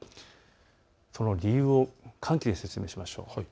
その理由を寒気で説明しましょう。